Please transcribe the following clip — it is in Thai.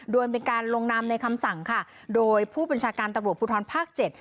โดยมีการลงนามในคำสั่งค่ะโดยผู้บัญชาการตำรวจภูทรภาคเจ็ด